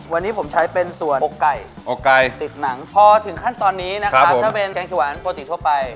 วันนี้ผมใช้เป็นตัวอกไก่อกไก่ติดหนังพอถึงขั้นตอนนี้นะครับถ้าเป็นแกงเขียวหวานปกติทั่วไป